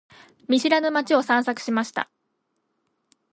見知らぬ街を散策しました。